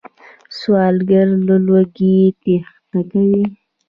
سوالګر له لوږې تېښته کوي